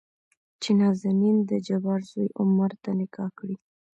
چې نازنين دجبار زوى عمر ته نکاح کړي.